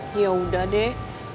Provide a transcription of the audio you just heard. hmm yaudah deh